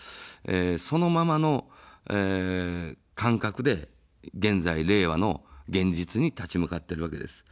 そのままの感覚で現在、令和の現実に立ち向かっているわけです。